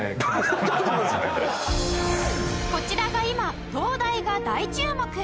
こちらが今東大が大注目！